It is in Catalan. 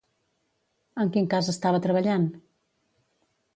En quin cas estava treballant?